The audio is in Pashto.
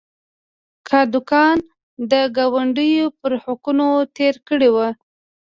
کادوګان د ګاونډیو پر حقونو تېری کړی و.